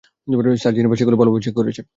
Sir, Jennifer সেগুলো ভালোভাবে check করেছে।